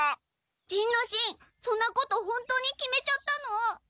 仁之進そんなこと本当に決めちゃったの？